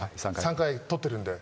３回取ってるんで。